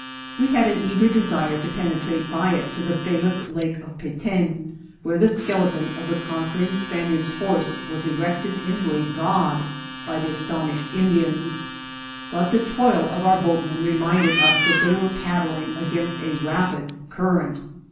We had an eager desire to penetrate by it to the famous Lake of Peten, where the skeleton ci the conquering Spaniard's horse was erected into a god by the astonished Indians ; but the toil of our boatmen reminded us that they were paddling against a rapid current.